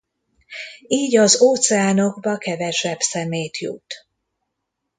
Így az óceánokba kevesebb szemét jut.